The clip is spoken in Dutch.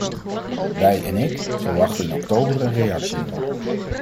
Wij, en ik, verwachten in oktober een reactie hierop.